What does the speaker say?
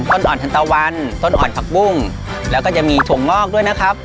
อ่อนทันตะวันต้นอ่อนผักบุ้งแล้วก็จะมีถั่วงอกด้วยนะครับ